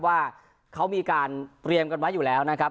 ว่าเขามีการเตรียมกันไว้อยู่แล้วนะครับ